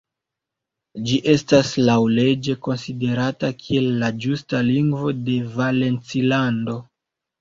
Ĝi estas laŭleĝe konsiderata kiel la ĝusta lingvo de Valencilando.